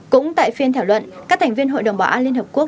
cũng tại phiên thảo luận các thành viên hội đồng bảo an liên hợp quốc